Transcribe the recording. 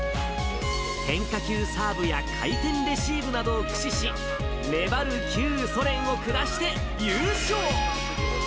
変化球サーブや回転レシーブなどを駆使し、粘る旧ソ連を下して優勝。